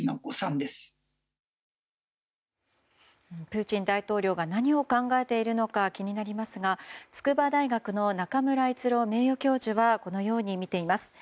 プーチン大統領が何を考えているのか気になりますが筑波大学の中村逸郎名誉教授はこのように見ています。